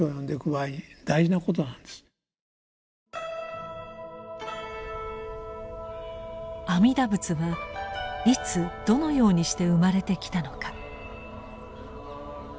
阿弥陀仏はいつどのようにして生まれてきたのか。